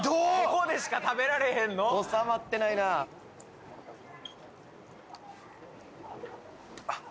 ここでしか食べられへんのおさまってないなあっ